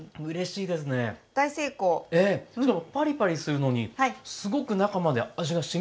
しかもパリパリするのにすごく中まで味がしみてる。